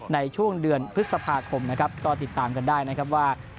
ในช่วงเดือนพฤษภาคมนะครับก็ติดตามกันได้นะครับว่า